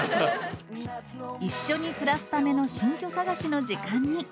一緒に暮らすための新居探しの時間に。